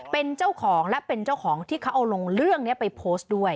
เป็นเจ้าของและเป็นเจ้าของที่เขาเอาลงเรื่องนี้ไปโพสต์ด้วย